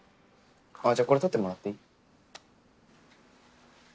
じゃこれ撮ってもらっていい？